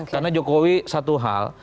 karena jokowi satu hal